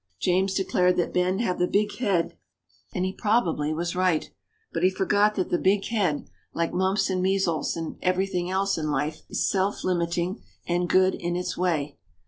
James declared that Ben had the big head and he probably was right; but he forgot that the big head, like mumps and measles and everything else in life, is self limiting and good in its way.